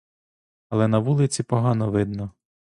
Але на вулиці погано видно.